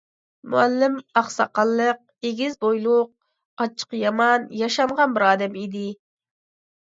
مۇئەللىم ئاق ساقاللىق، ئېگىز بويلۇق، ئاچچىقى يامان، ياشانغان بىر ئادەم ئىدى.